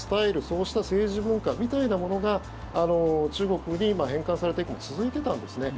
そうした政治文化みたいなものが中国に返還されてからも続いてたんですね。